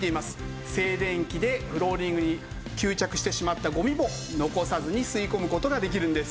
静電気でフローリングに吸着してしまったゴミも残さずに吸い込む事ができるんです。